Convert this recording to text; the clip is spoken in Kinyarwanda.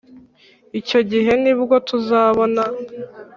icyo gihe ni bwo tuzabona